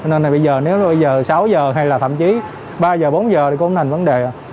nên là bây giờ nếu bây giờ sáu h hay là thậm chí ba h bốn h thì cũng không thành vấn đề